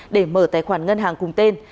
để mở tài khoản ngân hàng cùng tên